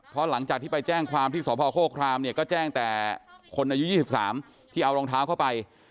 เพราะหลังจากที่ไปแจ้งความที่สพโฆครามเนี่ยก็แจ้งแต่คนอายุ๒๓ที่เอารองเท้าเข้าไป